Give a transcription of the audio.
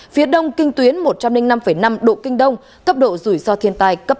phía đông kinh tuyến một trăm linh năm năm độ kinh đông cấp độ rủi ro thiên tai cấp ba